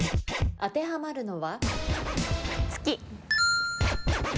当てはまるのは？